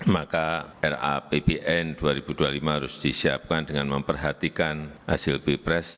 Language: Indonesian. maka rapbn dua ribu dua puluh lima harus disiapkan dengan memperhatikan hasil pilpres